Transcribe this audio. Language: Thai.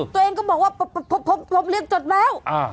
ตัวเองก็บอกว่าผมเรียนจดแล้ว